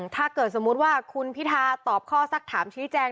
ถ้าเกิดสมมุติว่าคุณพิทาตอบข้อสักถามชี้แจง